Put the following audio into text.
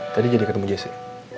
tadi jadi ketemu geser